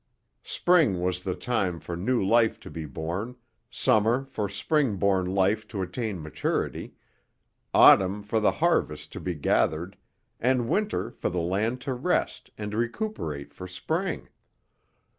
Spring was the time for new life to be born, summer for spring born life to attain maturity, autumn for the harvest to be gathered and winter for the land to rest and recuperate for spring.